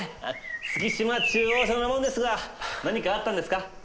月島中央署の者ですが何かあったんですか？